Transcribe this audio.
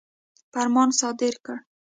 فرمان صادر کړ.